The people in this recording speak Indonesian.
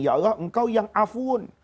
ya allah engkau yang afun